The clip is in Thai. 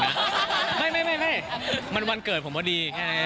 ไม่มันวันเกิดผมพอดี